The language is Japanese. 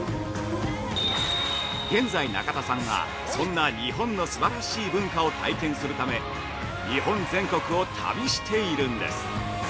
現在、中田さんはそんな日本のすばらしい文化を体験するため日本全国を旅しているんです。